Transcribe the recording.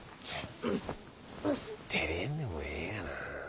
てれんでもええがな。